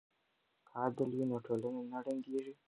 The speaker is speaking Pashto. که عدل وي نو ټولنه نه ړنګیږي.